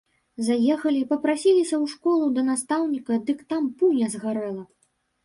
Заехалі, папрасіліся ў школу да настаўніка, дык там пуня згарэла!